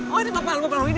oh ini bapak ibu